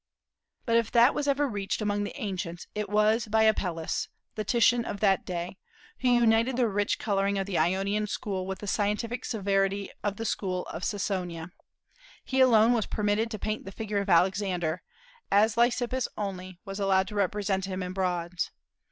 But if that was ever reached among the ancients it was by Apelles, the Titian of that day, who united the rich coloring of the Ionian school with the scientific severity of the school of Sicyonia. He alone was permitted to paint the figure of Alexander, as Lysippus only was allowed to represent him in bronze.